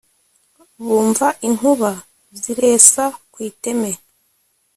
bumva inkuba ziresa ku iteme